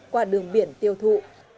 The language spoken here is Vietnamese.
qua đường biển tiêu thụ